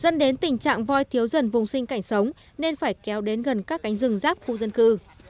dẫn đến tình trạng voi thiếu dần vùng sinh cảnh sống nên phải kéo đến gần các cánh rừng ráp khu dân cư